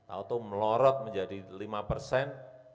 atau melorot menjadi lima persen